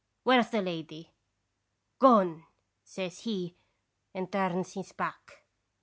Where's the lady?' "' Gone,' says he, and turns his back.